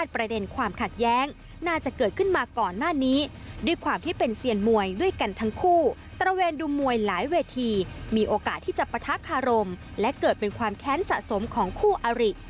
ประทักษ์อารมณ์และเกิดเป็นความแค้นสะสมของคู่อริ